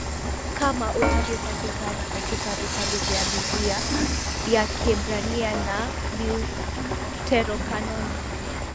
kama unavyopatikana katika vitabu vya Biblia ya Kiebrania na Deuterokanoni